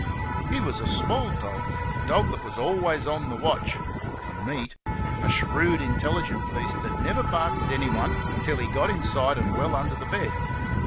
He was a small dog, a dog that was always on the watch for meat; a shrewd, intelligent beast that never barked at anyone until he got inside and well under the bed.